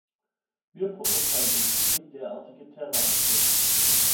Wir verurteilen entschieden derartige Terrorakte.